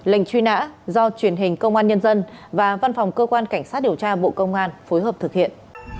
lệnh truy nã do truyền hình công an nhân dân và văn phòng cơ quan cảnh sát điều tra bộ công an phối hợp thực hiện